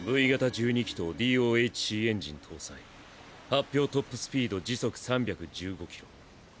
Ｖ型１２気筒ＤＯＨＣエンジン搭載発表トップスピード時速３１５キロ。